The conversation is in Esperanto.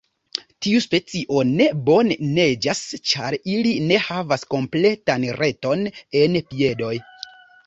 Tiu specio ne bone naĝas ĉar ili ne havas kompletan reton en piedoj.